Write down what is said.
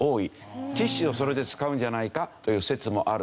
ティッシュをそれで使うんじゃないかという説もあって。